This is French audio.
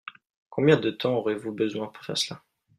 Combien de temps aurez-vous besoin pour faire cela ?